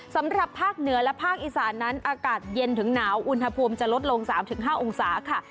สำหรับภาคเหนือและภาคอีสานนั้นอากาศเย็นถึงหนาวอุณหภูมิจะลดลง๓๕องศาค่ะ